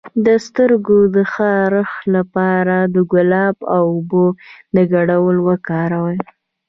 د سترګو د خارښ لپاره د ګلاب او اوبو ګډول وکاروئ